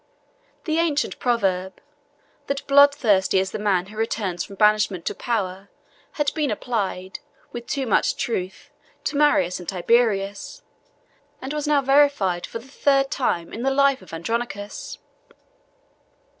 The ancient proverb, That bloodthirsty is the man who returns from banishment to power, had been applied, with too much truth, to Marius and Tiberius; and was now verified for the third time in the life of Andronicus.